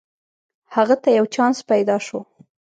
هغه ته یو چانس پیداشو